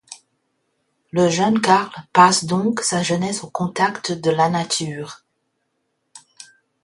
Le jeune Carl passe donc sa jeunesse au contact de la nature.